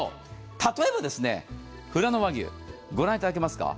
例えば、ふらの和牛、御覧いただけますか。